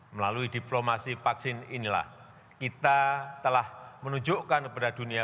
melalui diplomasi vaksin inilah kita telah menunjukkan kepada dunia